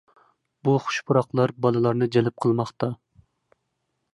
بۇ خۇش پۇراقلار بالىلارنى جەلپ قىلماقتا.